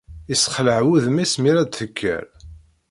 Isexlaɛ wudem-is mi ara d-tekker